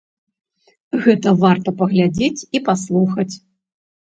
Гэта варта паглядзець і паслухаць.